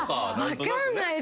分かんないです